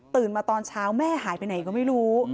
มาตอนเช้าแม่หายไปไหนก็ไม่รู้